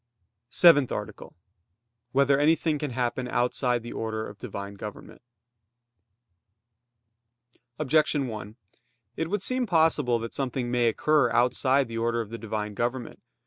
_______________________ SEVENTH ARTICLE [I, Q. 103, Art. 7] Whether Anything Can Happen Outside the Order of the Divine Government? Objection 1: It would seem possible that something may occur outside the order of the Divine government.